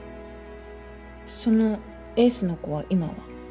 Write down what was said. そのエースの子は今は？